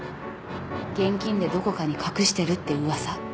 現金でどこかに隠してるって噂。